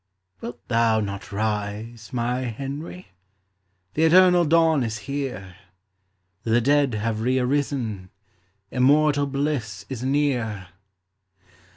"Wilt thou not rise, my Henry? The eternal dawn is here; The dead have re arisen, Immortal bliss is near."